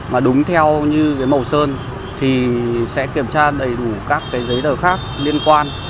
mà đúng theo như cái màu sơn thì sẽ kiểm tra đầy đủ các cái giấy tờ khác liên quan